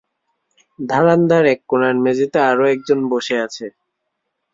ধারান্দার এক কোণার মেঝেতে আরো একজন বসে আছে।